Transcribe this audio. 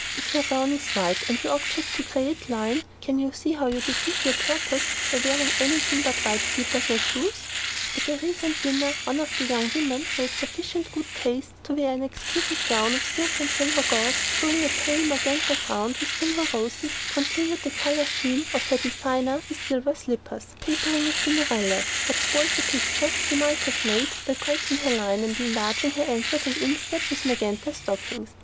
If your gown is white and your object to create line, can you see how you defeat your purpose by wearing anything but white slippers or shoes? At a recent dinner one of the young women who had sufficient good taste to wear an exquisite gown of silk and silver gauze, showing a pale magenta ground with silver roses, continued the colour scheme of her designer with silver slippers, tapering as Cinderella's, but spoiled the picture she might have made by breaking her line and enlarging her ankles and instep with magenta stockings.